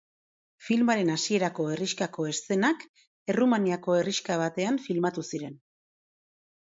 Filmaren hasierako herrixkako eszenak Errumaniako herrixka batean filmatu ziren.